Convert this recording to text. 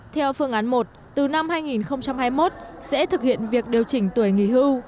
theo phương án một từ năm hai nghìn hai mươi một sẽ thực hiện việc điều chỉnh tuổi nghỉ hưu